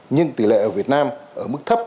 nhưng tỷ lệ ở việt nam ở mức thấp